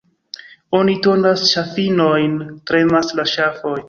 Oni tondas ŝafinojn, — tremas la ŝafoj.